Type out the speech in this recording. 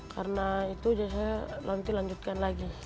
karena itu aja saya lanjutkan lagi